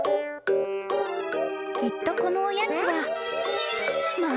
［きっとこのおやつは］